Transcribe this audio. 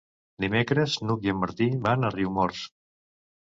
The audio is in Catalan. Dimecres n'Hug i en Martí van a Riumors.